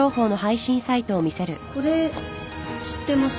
これ知ってます？